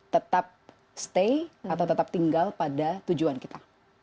tetap stay atau tetap tinggal pada tujuan kita